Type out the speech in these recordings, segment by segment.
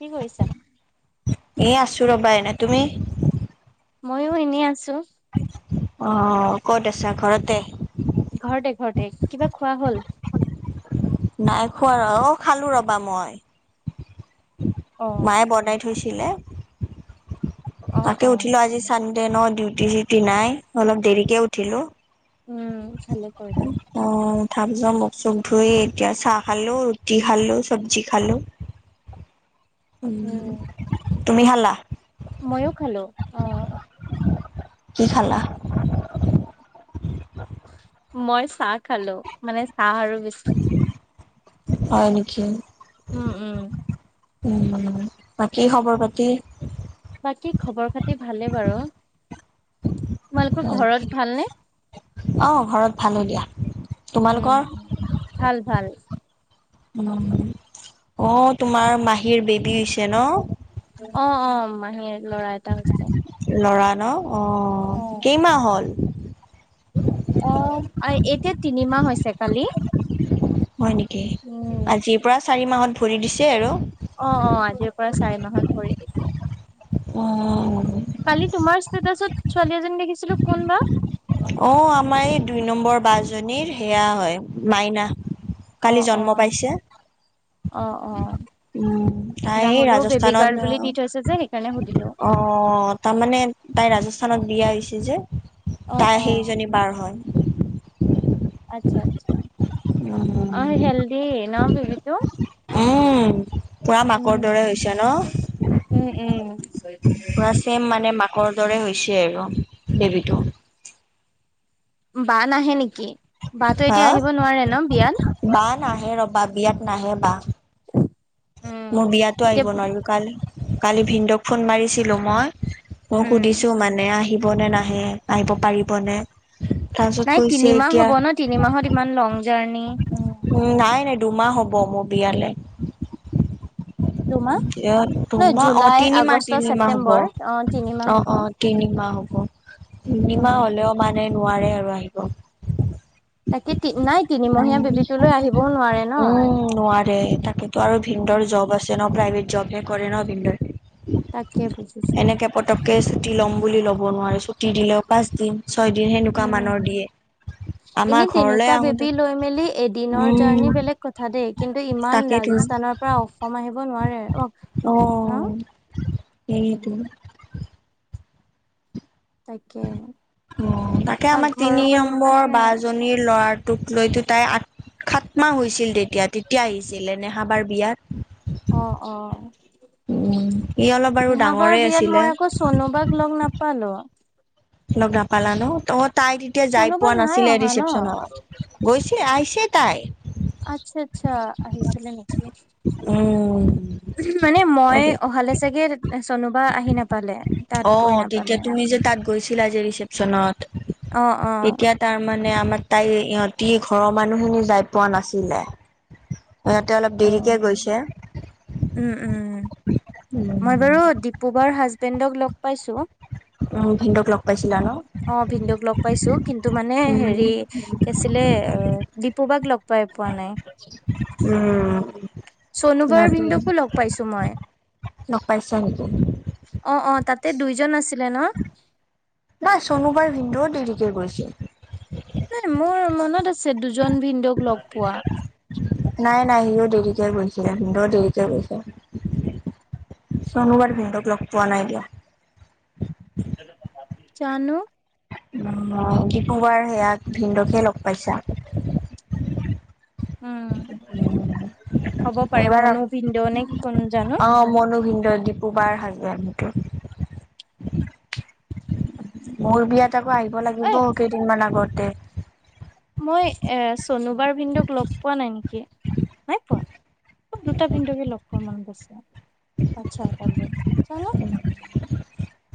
কি কৰিছা? এই, আছোঁ ৰ'বা এনে। ‌ তুমি? মাইয়ো এনে আছোঁ। অ'! ক'ত আছা ঘৰতে? ঘৰতে, ঘৰতে। কিবা খোৱা হ'ল? নাই খোৱা আৰু। খালোঁ ৰ'বা মই। অ', মায়ে, বনাই থ থৈছিলে। অ', তাকে, অ'। উঠিলোঁ আজি, চানদে ট্ৰেনৰ ডিউটি, চিউটি নাই। অলপ দেৰিকে উঠিলোঁ। উম! ভালে কৰিলা। [unintelligible] মুখ চোখ ধুই, এতিয়া চাহ খালোঁ, ৰুটি খালোঁ, চবজি খালোঁ। উম! তুমি খালা? মইয়ো খালোঁ। অ'! কি খালা? মই চাহ খালোঁ। মানে, চাহ আৰু বিস্কুট। হয় নেকি? উম! উম! উম! উম! বাকী খবৰ পাতি? বাকী খবৰ খাতি ভালে বাৰু। তোমালোকৰ ঘৰত ভালনে? অ ঘৰত ভালো দিয়া উম! তোমালোকৰ ভাল, ভাল। অ'!। অ'! তোমাৰ মাহী ৰ বেবী হৈছে ন'? অ', অ', মাহীৰ ল'ৰা এটা হৈছে। ল'ৰা। ন' অ'! কেইমাহ হ'ল? অ'! এতিয়া তিনিমাহ হৈছে কালি। হয় নেকি? উম, আজিৰ পৰা চাৰি মাহত ভৰি দিছে আৰু। অ'! অ'! আজিৰ পৰা চাৰি মাহত ভৰি দিছে। অঁ! কালি তোমাৰ ষ্টেটাছত ছোৱালী এজনী দেখিছিলোঁ কোন বা? অ আমাৰ এই দুই নম্বৰ বা জনীৰ সেয়া হয় মাইনা অ কালি অ জন্ম পাইছে অ অ উম তাই ৰাহুলেও বেবী ৰাজস্থানত গাৰ্ল বুলি দি থৈছে যে সেইকাৰণে সুধিলো অ তাৰমানে তাই ৰাজস্থানত বিয়া হৈছে যে অ তাই অ সেইজনী বাৰ হয় হয় অ হেল্দি ন বিবিটো উম, পুৰা মাকৰ দৰে হৈছে উম ন? উম পুৰা চেম মানে মাকৰ দৰে হৈছে আৰু ববিটো বা নাহে নেকি? বাতো এতিয়া হা আহিব নোৱাৰে ন বিয়াত। বা নাহে ৰবা বিয়াত নাহে বা উম মোৰ বিয়াতো এতিয়া আহিব নোৱাৰিলোঁ কাল কালি ভিনদক ফোন মাৰিছিলোঁ মই মই উম সুধিছো মানে আহিব নে নাহে আহিব পাৰিব নে? নাই তিনিমাহ হ'ব ন তিনি মাহত ইমান লং জাৰ্ণি উম নাই নাই দুমাহ হ'ব মোৰ বিয়ালে দুুমাহ? নহয় দুমাহ অ জুলাই তিনিমাহ আগষ্ট তিনিমাহ হ'ব ছেপ্তেম্বৰ অ অ তিনিমাহ হ'ব। অ তিনিমাহ হ'ব উম তিনিমাহ হ'লেও মানে নোৱাৰে আৰু আহিব তাকে তি নাই তিনিমহীয়া উম বেবীটোলৈ আহিবও নোৱাৰে ন নোৱাৰে তাকেতো আৰু ভিনদৰ জব আছে ন প্ৰাইভেট জব কৰে ন তাকে বুজিছো এনেকে পতককে টি ল'ম বুলি ল'ব নোৱাৰে টি দিলে পাঁচদিন। ছয়দিন সেনেকুৱা মানৰ উম দিয়ে এনে আমাৰ ঘৰলৈ তেনেকুৱা বেবী আহোতে। লৈ মেলি এদিনৰ উম জাৰ্ণি বেলেগ কথা দেই কিন্তু ইমান তাকেইতো ৰাজস্থানৰ পৰা অসম আহিব নোৱাৰে। অফ। অ সেইটো। তাকে তাকে আ আমাৰ তিনি ঘৰখন মানে নম্বৰ বা জনীৰ ল'ৰা। তোক লৈতো তাই আঠ খাত মাহ হৈছিল তেতিয়া তেতিয়া আহিছিল এ নেহাবাৰ বিয়াত। অ-অ। উম ই অলপ বাৰু নেহাবাৰ ডাঙৰে বিয়াত আছিলে মই আকৌ চোনোবাক লগ নাপালো। লগ নাপালা ন তহত। তাই তেতিয়া যাই চনুবা পোৱা নাই নাছিলে অহা ন ৰিচেপচনৰত গৈছে আহিছে তাই। আচ্ছা-আচ্ছা আহিছিলে নেকি উম মানে মই তাকে অহালে চাগে। চনুবা আহি নাপালে তাত অ গৈ নাপালে তেতিয়া তুমি যে তাত গৈছিলা যে ৰিচেপচনত। অ অ এতিয়া তাৰমানে আমা। তাই ইহঁতি ঘৰৰ মানুহখিনি যাই পোৱা নাছিলে। সিহঁতে অলপ দেৰিকে গৈছে। উম-উম উম, মই বাৰু দীপুবাৰ হাজবেণ্ডক লগ। পাইছোঁ। ভিনদৌক লগ পাই। অ ভিন্দুক লগ পাইছো কিন্তু মানে উম, হেৰি কি আছিলে অ দিপুবাক লগ। পাই পোৱা নাই। উম চোনোবাৰ ভিন্দকো লগ পাইছো মই। লগ পাইছা নেকি। তে দুইজন আছি। নাই চোনোবাৰ ভিনন্দেও দেৰিকে গৈছে। নাই মোৰ মনত আছে দুজন ভিনন্দৌক লগ পোৱা। নাই নাই সিও দেৰিকে গৈছিলে সও দেৰিকে গৈছে। চচনোবাৰ ভিনদেউ লগ পোৱা নাই দিয়ক। জানো। ডিপুগৰ সেয়াক ভিনদৌকে লগ পাইছা। উম উম হ'ব পাৰে এইবাৰ মনো ভিনদেউ নে কোন জানো অ মনো ভিন্দৌ দিপু বাৰ হাজবেণ্ড। [unintelligible] মোৰ বিয়াত আকৌ আহিব এ লাগিব কেইদিনমান আগতে। মই এ চোনোবাৰ ভিন্দৌক লগ পোৱা নাই নেকি নাই পোৱা। দুটা ভিনদৌকে লগ পোৱা মনত আছে আচ্ছা তালে জানো।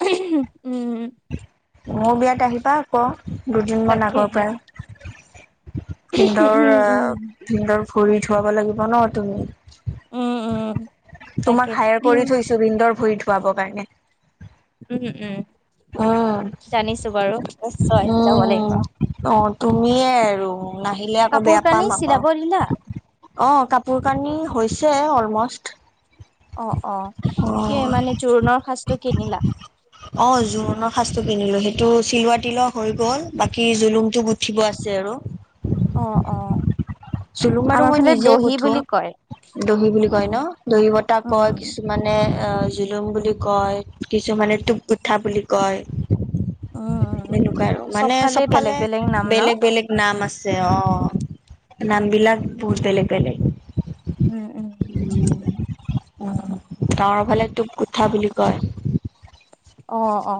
[unintelligible] মোৰ বিয়াত আহিবা আকৌ দুদিনমান আগৰ তাকেহে পৰাই। ভিন্দৌৰ উম আ উম ভিন্দৌৰ ভৰি ধুৱাব লাগিব ন তুমি। উম-উম তোমাক হায়াৰ কৰি থৈছো ভিন্দৰ ভৰি ধুৱাবৰ কাৰণে। উম উম উম জানিছো বাৰু নিশ্চয় যাব উম লাগিব। অ তুমিয়ে আৰু নাহিলে আকৌ কাপোৰ বেয়া কানি পাম আক। চিলাব দিলা অ কাপোৰ কানি হৈছে অলমষ্ট। অ-অ অ কি মানে জোৰোণৰ সাঁজটো কিনিলা। ৰ সজটো কিনিলো সেইটো চিলুৱা তিলোৱা হৈ গ'ল বাকি জুলুমটো গুঠিব আছে আৰু। অ-অ চুলুমাটো মই নিজে গুঠো দহি বুলি কয় উম ন দহি বতাহ কয় উম কিছুমানে। অ জুলুম বুলি কয় কিছুমানে টোপগোঠা বুলি কয় কয় উম উম তেনেকুৱা আৰু মানে বেলেগ চবফালে বেলেগ নাম ন বেলেগ বেলেগ নাম আছে। ছে অ নাম বিলাক বহুত বেলেগ বেলেগ উম উম বুজিছো গাঁৱৰ ফালে টোপগোঠা বুলি কয়। অ অ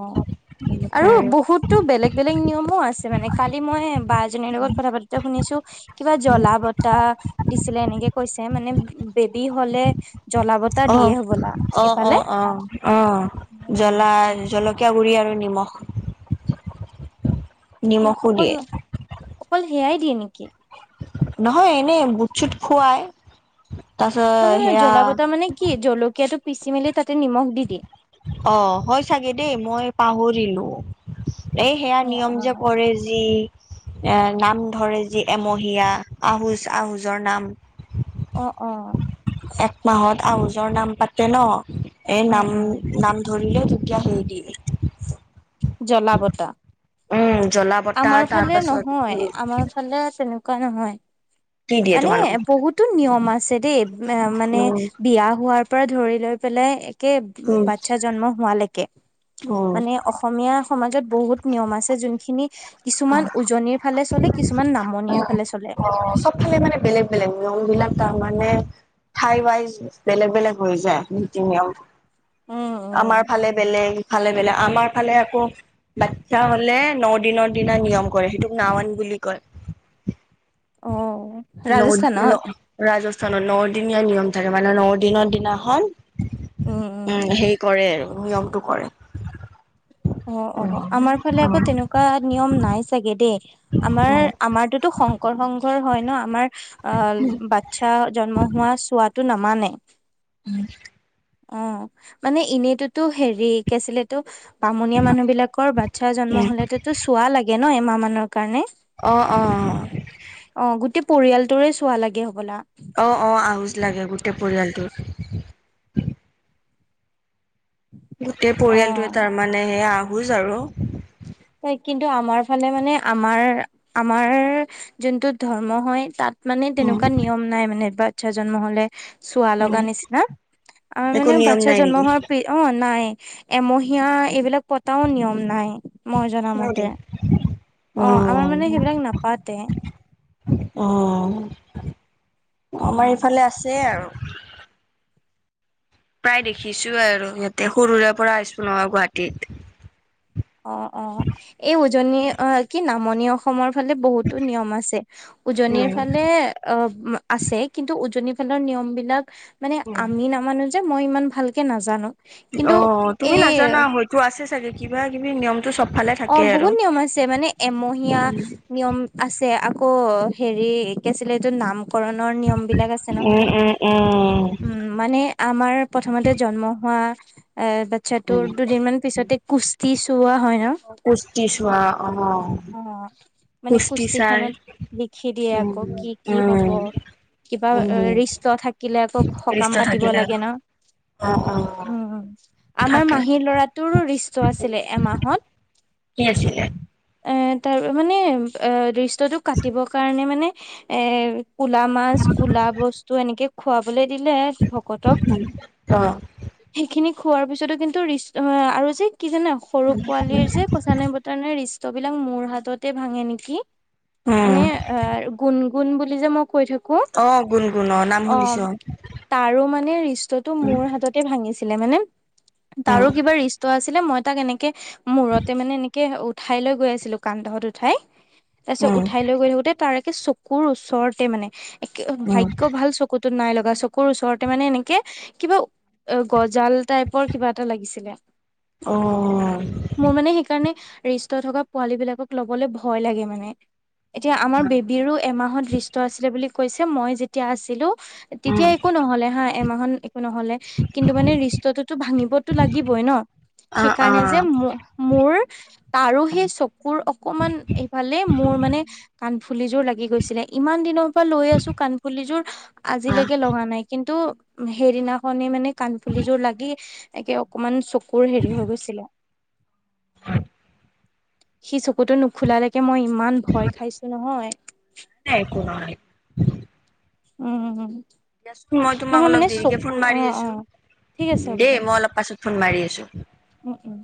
আৰু বহুতো বেলেগ বেলেগ নিয়মো আছে মানে কালি মই বা এ জনীৰ লগত কথা পাতোতে শুনিছো। কিবা জলা বতাহ দিছিলে এনেকে কৈছে মানে বেবি হলে জ্বলা বতা দিয়ে আহ হবলা আহ এইফালে অ আহ আহ উম, জলা জলকীয়া গুঢ়ি আৰু নিমখ আচ্ছা নিমখো অকল দিয়ে অকল হেয়াই দিয়ে নেকি। নহয় এনে বুটছুট খুৱাই তাৰপিছত নহয় নহয় জ্বলা সেয়া পতা মানে কি জলকীয়াটো পিচি মেলি তাতে নিমখ দি দিয়ে অ হয় চাগে দেই মই পাহৰিলো এই সেয়া অ', নিয়ম যে কৰে যি এ নাম ধৰে যি এমহীয়া আহোজ আহোজৰ নাম অ এক মাহত আউজৰ নাম পাতে ন এই উম, নাম উম, নাম ধৰি [unintelligible] জলা বতা জ্বলা বতা আমাৰ তাৰ ফালে পাছত নহয় উম আমাৰ ফালে তেনেকুৱা তেনেকুৱা নহয় কি দিয়ে তোমালোকক মানে বহুতো নিয়ম আছে দেই মানে উম বিয়া হোৱাৰ পৰা ধৰি লৈ পেলাই একে বাচ্ছা জন্ম হোৱালৈকে অ মানে অসমীয়া সমাজত বহুত নিয়ম আছে যোনখিনি কিছুমান উজনিৰ ফালে চলে কিছুমান নামনিৰ ফালে চলে অ বেলেগ বেলেগ নিয়ম বিলাক তাৰ মানে ঠাই ৱাইজ বেলেগ বেলেগ হৈ যায় নীতি নিয়ম উম, আমাৰ উম। ফালে বেলেগ ভালে হেফালে আমাৰ ফালে আকৌ বাচ্ছা হলে ন দিনত দিনা নিয়ম কৰে সেইটোক নামান বুলি কয় অ ল ৰাজস্থানত? ল ৰাজ ত ন দিনীয়া নিয়ম থাকে মানে ন দিনৰ দিনাখন, উম হেৰি কৰে আৰু নিয়মটো কৰে। অ অ আমাৰ ফালে আকৌ তেনেকুৱা নিয়ম নাই চাগে দেই। আমাৰ আমাৰটোতো শংকৰ সংঘৰ হয় ন, আমাৰ আহ, বাচ্ছা জন্ম হোৱা চোৱাটো নামানে। আৰু অ মানে এনেইতোতো হেৰিকেছিলেতো বামনীয়া মানুহ বিলাকৰ বাচ্ছাৰ জন্ম উম হলেতেতো চোৱা লাগে ন এমাহ মানৰ কাৰণে, অ অ অ গোটেই পৰিয়ালটোৰে চোৱা লাগে হবলা। অ অ আহোজ লাগে গোটেই পৰিয়ালটোৰ। গোটেই অ পৰিয়ালটোৱে তাৰমানে সেই আহোজ আৰু ত কিন্তু আমাৰ ফালে মানে আমাৰ আমাৰ যোনটো ধৰ্ম হয় তাত মানে তেনেকুৱা উম নিয়ম নাই মানে বাচ্ছা জন্ম হলে চোৱা লগা উম নিচিনা, আমাৰ একো মানে নিয়ম বাচ্ছা নাই জন্ম নেকি হোৱাৰ অ নাই এমহীয়া এইবিলাক পতাওঁ নিয়ম নাই, মই জনা মতে। অ আমাৰ মানে সেইবিলাক নাপাতে। উম আমাৰ উম। ইফালে আছে আৰু প্ৰায় দেখিছোৱে আৰু সিহঁতে সৰুৰে পৰা আছো নহয় গুৱাহাটীত। অ' মণিঅসমৰ ফালে বহুতো নিয়ম আছে, উজনিৰ উম। ফালে অ আছে কিন্তু উজনিৰ খেলৰ নিয়মবিলাক মানে উম। আমি নামানো যে মই ইমান ভালকে নাজানো। কিন্তু অ তুমি এই নাজানা হয়তো আছে চাগে কিবা কিবি নিয়ম অ বহুত নিয়ম আছে মানে, এমহীয়া উম। নিয়ম আছে আকৌ হেৰি কি আছিলে এইযোৰ নাম কৰণৰ নিয়ম বিলাক আছে উম, নহয়, উম, উম, উম মানে আমাৰ প্ৰথমতে জন্ম হোৱা এ বাচ্ছাটো দুদিন মান পিছতে কুস্তি তোৱা হয় ন। কুস্তি চোৱা অ। অ মানে কুস্তি চাই। কুস্তিখনত লিখি দিয়ে আকৌ উম, কি কি হ'ব উম, কিবা উম, ৰিষ্ট থাকিলে আকৌ সকাম ৰিষ্ট পাতিব থাকিলে লাগে ন। অ', অ'। উম আমাৰ থাকে মাহীৰ লৰাটোৰো ৰিস্থ আছিলে এমাহত। কি আছিলে? এ তাৰ মানে এ ৰিছ তটো কাটিবৰ কাৰণে মানে এ কুলা মাছ, কুলা বস্তু এনেকে খোৱা ক দিলে ভকতক, অ'। সেইখিনি খোৱাৰ পিছতো কিন্তু ৰিস আৰু যে কি জানা সৰু পোৱালিৰ যে সচা নাই বতা নে ৰিস্ক ত বিলাক মোৰ হাততে ভাঙে নেকি, উম, মানে অ গুণ গুণ বুলি যে মই কৈ থাকো কো, অ' গুণগুণ নাম অ শুনিছো তাৰো মানে ৰিষ্টটো উম, মোৰ হাততে ভাঙিছে। কেলে মানে, তাৰো উম, কিবা ৰিষ্ট আছিলে মই তাক এনেকে মূৰত তে মানে এনেকে উঠাই লৈ গৈ আছিলো কান্ধত উঠাই, তাৰ পিছত উম, উঠাই লৈ গৈ থাকোতে তাৰে চক কোৰ ওচৰতে মানে, একে উম, ভাগ্য ভাল চকুতো নাই লগ বা চকুৰ ওচৰতে মানে এনেকে কিবা অ গজাল টাইপৰ কিবা এটা লাগিছিলে। মোৰ অহ। মানে সেইকাৰণে ৰিষ্ট থকা পোৱালী বিলাকক ল'বলৈ ভয় লাগে মানে। এতিয়া আমাৰ বেবীৰো এমাহত ৰিষ্ট আছিলে বুলি কৈছে মই যেতিয়া আছিলো তেতিয়া উম, একো নহলে হা এমাহন নহলে কিন্তু মানে ৰিষ্টটোতো ভাঙিবতো লাগিবই ন, আ, আ, সেইকাৰণে যে ম মোৰ তাৰো সেই চকুৰ অকমান এইফালে মোৰ মানে কাণফুলিযোৰ লাগি কৈছিলে ইমান দিনৰ পৰা লৈ আছো কাণফুলিযোৰ আ। আজিলৈকে লগা নাই কিন্- কিন্তু সেইদিনাখনে মানে কাণফুলিযোৰ লাগি একে অকমান চ- কোৰ হেৰি হৈ গৈছিলে। সি চকুটো নুখোলালৈকে মই ইমান ভয় খাইছো নহয়। নাই একো [inaudible] উম উম উম। দিয়াচোন মই তোমাক অলপ দেৰিকে ফোন অ মাৰি অ আছো ঠিক আছে হ'ব দেই দিয়া মই অলপ পাছত। ফোন মাৰি আছোঁ। উম উম